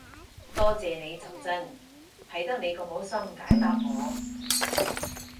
多謝你就真，係得你咁好心解答我